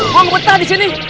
emang betah disini